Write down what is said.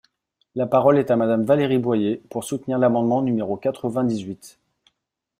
La parole est à Madame Valérie Boyer, pour soutenir l’amendement numéro quatre-vingt-dix-huit.